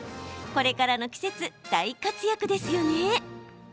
これからの季節大活躍ですよね。